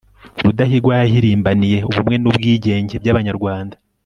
rudahigwa yahirimbaniye ubumwe n'ubwigenge by'abanyarwanda